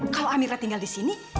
kalau amira tinggal disini